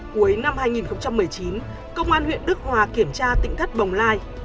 cuối năm hai nghìn một mươi chín công an huyện đức hòa kiểm tra tỉnh thất bồng lai